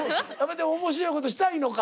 でも面白いことしたいのか？